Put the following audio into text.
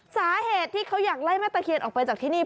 สาเหตุที่เขาอยากไล่แม่ตะเคียนออกไปจากที่นี่